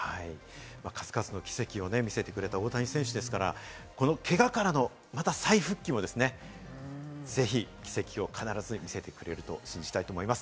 数々の奇跡を見せてくれた大谷選手ですから、このけがからのまた再復帰もぜひ奇跡を必ず見せてくれると信じたいと思います。